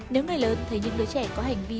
nếu người lớn thấy những đứa trẻ có hành vi